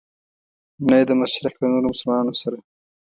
نه یې د مشرق له نورو مسلمانانو سره.